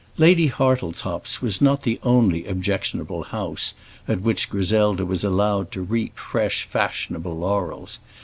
Lady Hartletop's was not the only objectionable house at which Griselda was allowed to reap fresh fashionable laurels.